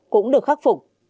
cũng được khắc phục